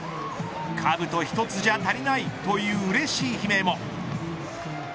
かぶと１つじゃ足りないという、うれしい悲鳴も。